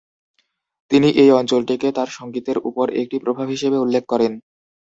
তিনি এই অঞ্চলটিকে তাঁর সঙ্গীতের উপর একটি প্রভাব হিসেবে উল্লেখ করেন।